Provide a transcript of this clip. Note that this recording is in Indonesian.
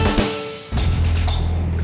makasih pak be